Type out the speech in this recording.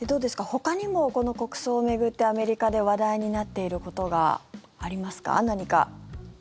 ほかにもこの国葬を巡ってアメリカで話題になっていることは何かありますか？